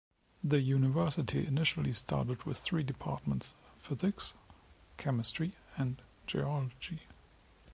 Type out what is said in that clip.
The university initially started with three departments, Physics, Chemistry and Geology.